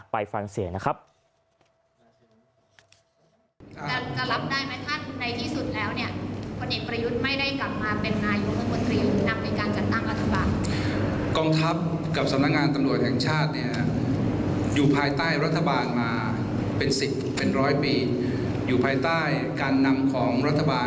ไปฟังเสียงนะครับ